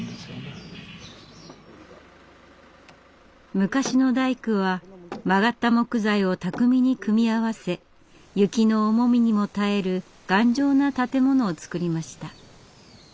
昔の大工は曲がった木材を巧みに組み合わせ雪の重みにも耐える頑丈な建物を作りました。